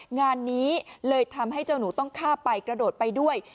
งานนี้เลยทำให้เจ้าหนูต้องฆ่าไปกระโดดไปด้วย